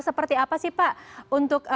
seperti apa sih pak untuk